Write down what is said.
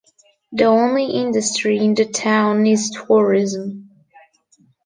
The only industry in the town is tourism.